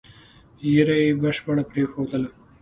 ږیره یې بشپړه پرېښودله.